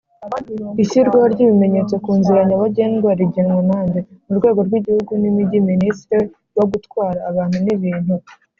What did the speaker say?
ishyirwaho ry’ibimenyetso kunziranyabagendwa rigenwa nande?murwego rw’igihugu n’imigi ministre w’agutwara abantu n’ibintu